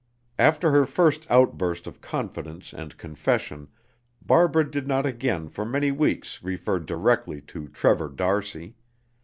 After her first outburst of confidence and confession, Barbara did not again for many weeks refer directly to Trevor d'Arcy.